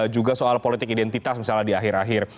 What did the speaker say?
juga soal politik identitas misalnya di akhir akhir